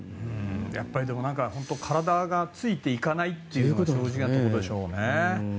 やっぱり体がついていかないというのが正直なところでしょうね。